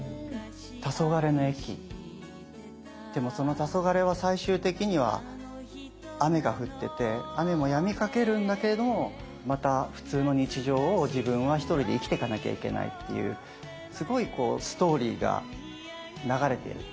黄昏の駅でもその黄昏は最終的には雨が降ってて雨もやみかけるんだけれどもまた普通の日常を自分は１人で生きてかなきゃいけないっていうすごいこうストーリーが流れてる。